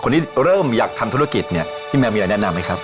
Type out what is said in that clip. ที่เริ่มอยากทำธุรกิจเนี่ยพี่แมวมีอะไรแนะนำไหมครับ